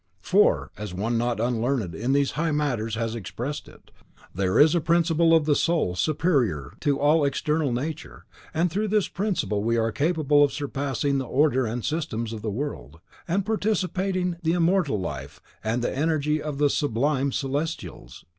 For, as one not unlearned in these high matters has expressed it, 'There is a principle of the soul superior to all external nature, and through this principle we are capable of surpassing the order and systems of the world, and participating the immortal life and the energy of the Sublime Celestials.